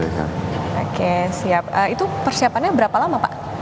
oke siap itu persiapannya berapa lama pak